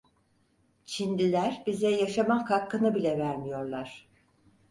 Çinliler bize yaşamak hakkını bile vermiyorlar.